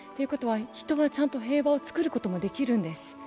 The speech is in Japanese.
人はちゃんと平和を作ることもできるんです。